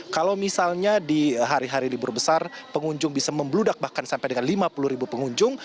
kalau misalnya di hari hari libur besar pengunjung bisa membludak bahkan sampai dengan lima puluh ribu pengunjung